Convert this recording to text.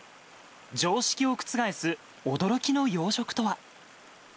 常識を覆す驚きの養殖とは。